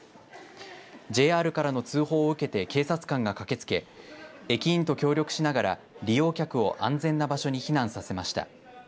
ＪＲからの通報を受けて警察官が駆けつけ駅員と協力しながら利用客を安全な場所に避難させました。